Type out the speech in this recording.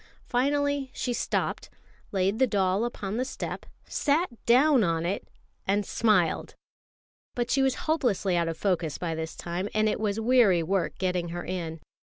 Finally she stopped, laid the doll upon the step, sat down on it, and smiled. But she was hopelessly out of focus by this time, and it was weary work getting her in.